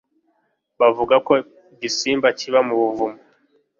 Bavuga ko igisimba kiba mu buvumo.